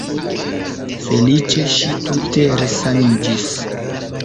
Feliĉe ŝi tute resaniĝis.